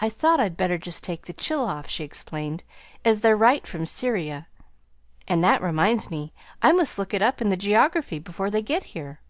"I thought I'd better just take the chill off," she explained, "as they're right from Syria; and that reminds me, I must look it up in the geography before they get here."